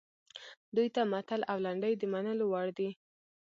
دوی ته متل او لنډۍ د منلو وړ دي